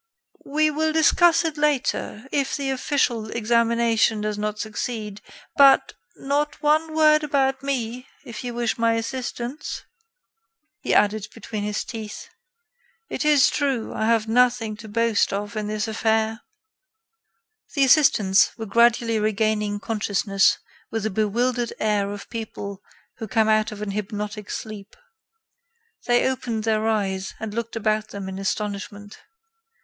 "We will discuss it later if the official examination does not succeed. But, not one word about me, if you wish my assistance." He added, between his teeth: "It is true I have nothing to boast of in this affair." The assistants were gradually regaining consciousness with the bewildered air of people who come out of an hypnotic sleep. They opened their eyes and looked about them in astonishment.